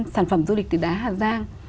sản phẩm du lịch từ đá hà giang